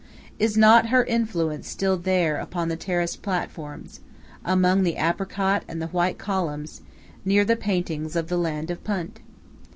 Is not her influence still there upon the terraced platforms, among the apricot and the white columns, near the paintings of the land of Punt?